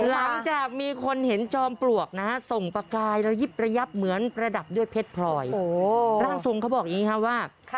ร่างทรงเค้าบอกอย่างนี้ฮะว่า